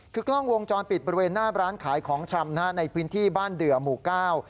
คือกล้องวงจรปิดบริเวณหน้าร้านขายของชำนะฮะในพื้นที่บ้านเดือหมู่เก้า